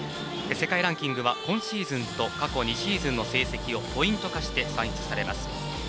世界ランキングは今シーズンと過去２シーズンの得点をポイント化して算出されます。